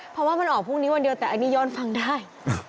เพราะว่ามันออกพรุ่งนี้วันเดียวแต่อันนี้ย้อนฟังได้